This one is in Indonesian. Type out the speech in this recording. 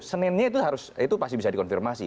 seninnya itu pasti bisa dikonfirmasi